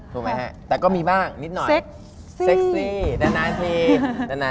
ถูกไหมฮะ